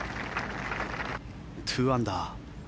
２アンダー。